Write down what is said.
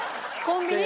コンビニ？